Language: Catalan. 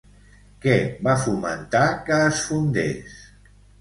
Què va fomentar que es fundés?